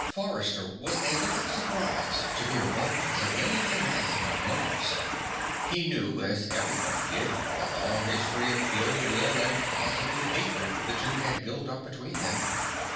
Forrester was a little surprised to hear Vulcan say anything nice about Mars. He knew, as everyone did, the long history of ill will and positive hatred the two had built up between them.